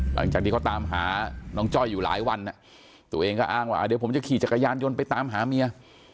หลังจากที่เขาตามหาน้องจ้อยอยู่หลายวันตัวเองก็อ้างว่าเดี๋ยวผมจะขี่จักรยานยนต์ไปตามหาเมีย